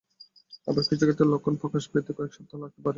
আবার কিছু ক্ষেত্রে লক্ষণ প্রকাশ পেতে কয়েক সপ্তাহও লাগতে পারে।